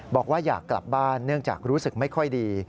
บอกว่าอยากกลับบ้านเนื่องจากรู้สึกไม่ค่อยดี